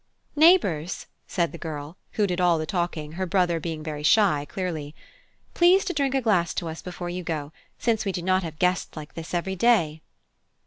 "Neighbours," said the girl (who did all the talking, her brother being very shy, clearly) "please to drink a glass to us before you go, since we do not have guests like this every day."